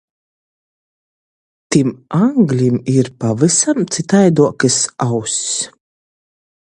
Tim anglim ir pavysam cytaiduokys auss.